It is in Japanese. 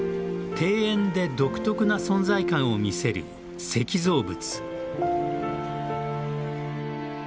庭園で独特な存在感を見せる石造物。